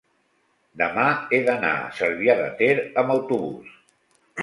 demà he d'anar a Cervià de Ter amb autobús.